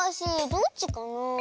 どっちかな？